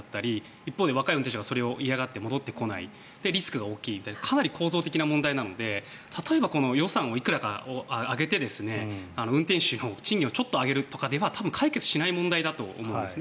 一方で若い運転手がそれを嫌がって戻ってこないリスクが大きいってかなり構造的な問題なので例えば予算をいくらか上げて運転手の賃金をちょっと上げるとかでは解決しない問題だと思うんです。